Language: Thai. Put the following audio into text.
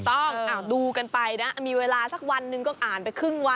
ต้องดูกันไปนะมีเวลาสักวันหนึ่งก็อ่านไปครึ่งวัน